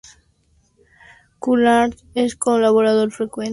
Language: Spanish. Kurland es colaborador frecuente de los hermanos Coen.